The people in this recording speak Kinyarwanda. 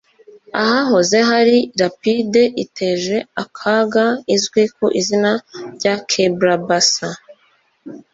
ahahoze ari rapide iteje akaga izwi ku izina rya kebrabassa